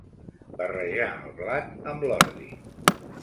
Barrejar el blat amb l'ordi.